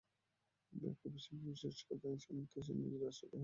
এই বিশ্বব্যাপী শুষ্কতায় শূন্যতায় সে নিজেই আশ্চর্য হইয়া গেল।